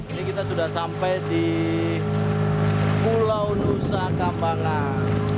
ini kita sudah sampai di pulau nusa kambangan